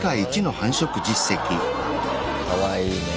かわいいね。